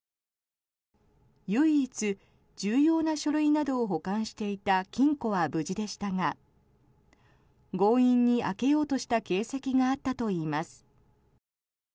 唯一、重要な書類などを保管していた金庫は無事でしたが強引に開けようとした形跡があったといいます。